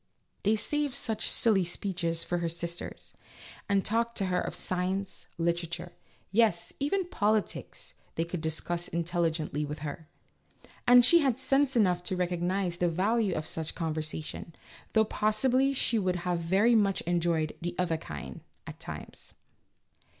" They saved such silly speeches for her sisters, and talked to her of science, literature, yes, even politics they could discuss intelligently with her. And she had sense enough to recognize the value A LITTLE STUDY IN COMMON SENSE. 85 of such conversation, though possibly she would have very much enjoyed the other kind, at times.